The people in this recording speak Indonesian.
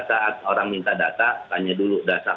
saat orang minta data tanya dulu data